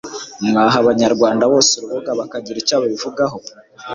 mwaha abanyarwanda bose urubuga bakagira icyo babivugaho.